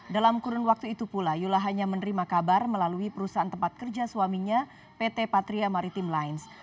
dalam kurun waktu itu pula yula hanya menerima kabar melalui perusahaan tempat kerja suaminya pt patria maritim lines